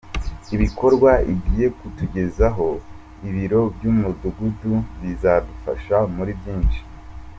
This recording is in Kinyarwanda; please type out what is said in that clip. Ibikorwa igiye kutugezaho, ibiro by’umudugudu bizadufasha muri byinshi.